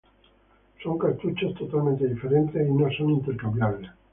Son cartuchos totalmente diferentes y no son intercambiables.